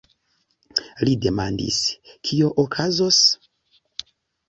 Li demandis: "Kio okazos?